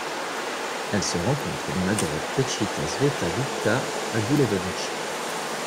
Elle se rencontre dans la grotte Pećina Sveta Dupka à Gulenovci.